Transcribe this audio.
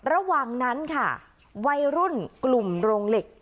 ระหว่างนั้นค่ะวัยรุ่นกลุ่มโรงเหล็ก